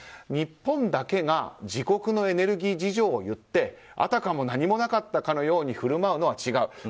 日本だけが自国のエネルギー事情を言ってあたかも何もなかったかのように振る舞うのは違う。